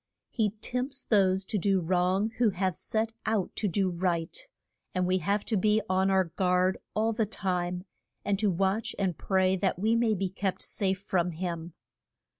He tempts those to do wrong who have set out to do right, and we have to be on our guard all the time, and to watch and pray that we may be kept safe from him.